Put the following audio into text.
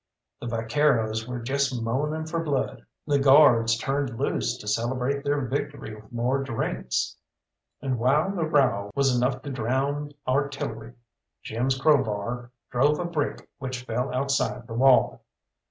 The vaqueros were just moaning for blood, the Guards turned loose to celebrate their victory with more drinks, and while the row was enough to drown artillery, Jim's crowbar drove a brick which fell outside the wall.